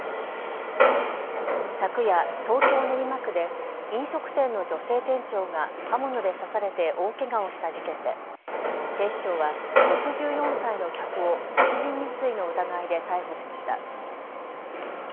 昨夜、東京練馬区で飲食店の女性店長が刃物で刺されて大けがをした事件で、警視庁は６４歳の客を殺人未遂の疑いで逮捕しました。